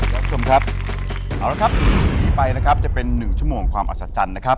คุณผู้ชมครับเอาละครับหนีไปนะครับจะเป็น๑ชั่วโมงความอัศจรรย์นะครับ